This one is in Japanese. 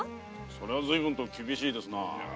それはずいぶんと厳しいですな。